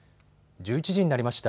１１時になりました。